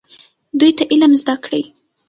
دوی ته علم زده کړئ